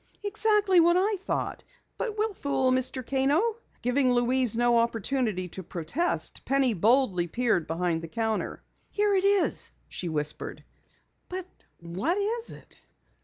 "Exactly what I thought! But we'll fool Mr. Kano!" Giving Louise no opportunity to protest, Penny boldly peered behind the counter. "Here it is," she whispered. "But what is it?"